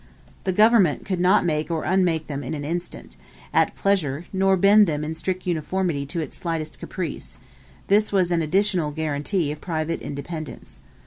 The government could not make or unmake them in an instant, at pleasure, nor bend them in strict uniformity to its slightest caprice this was an additional guarantee of private independence.